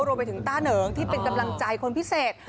ต้าเหนิงที่เป็นกำลังใจคนพิเศษ